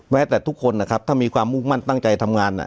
แต่ทุกคนนะครับถ้ามีความมุ่งมั่นตั้งใจทำงาน